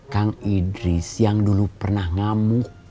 kang idris yang dulu pernah ngamuk